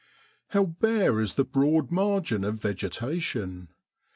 How bare is the Broad margin of vegetation